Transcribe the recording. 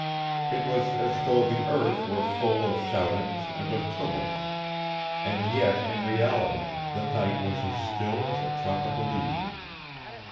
It was as though the earth were full of shoutings and of tumults. And yet in reality the night was as still as a tropical evening.